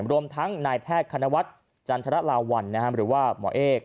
รวมทั้งนายแพทย์คณวัฒน์จันทรลาวัลหรือว่าหมอเอก